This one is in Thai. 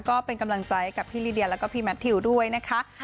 ก็เป็นกำลังใจกับพี่ลิเดียแล้วก็พี่แมททิวด้วยนะคะ